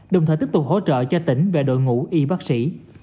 đồng thời tiếp tục hỗ trợ cho tỉnh về đội ngũ y bác sĩ